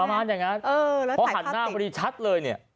ประมาณอย่างนั้นพอหันหน้าพอดีชัดเลยเนี่ย